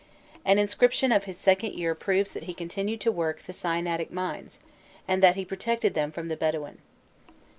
An inscription of his second year proves that he continued to work the Sinaitic mines, and that he protected them from the Bedouin.